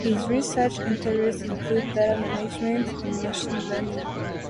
His research interests include data management and machine learning.